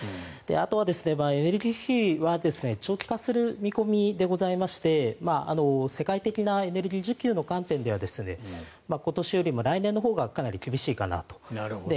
あとはエネルギー費は長期化する見込みでございまして世界的なエネルギー需給の観点では今年よりも来年のほうがかなり厳しいかなと。